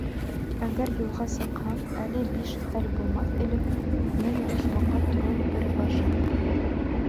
Әгәр юлға сыҡһаң Әле биш хәл булмаҫ элек: Мең дошманға торор бер башың.